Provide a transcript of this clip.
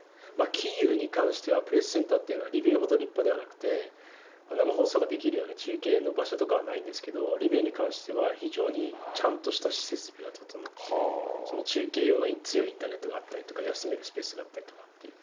キーウに関してはプレスセンターというのはリビウほど立派ではなくて、生放送ができるような中継の場所とかはないんですけど、リビウに関しては、非常にちゃんとした設備は整っている、その中継用の強いインターネットがあったりとか、休めるスペースがあったりとかします。